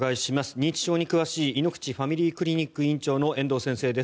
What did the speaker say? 認知症に詳しい、いのくちファミリークリニック院長の遠藤英俊先生です。